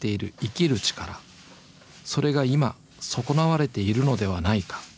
それが今損なわれているのではないか？」。